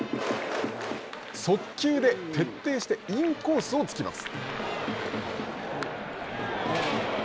速球で徹底してインコースを突きます。